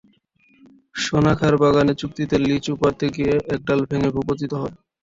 সোনা খাঁর বাগানে চুক্তিতে লিচু পাড়তে গিয়ে একবার ডাল ভেঙে ভূপতিত হয়।